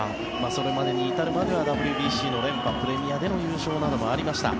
それまでに至るまではＷＢＣの連覇プレミアでの優勝などもありました。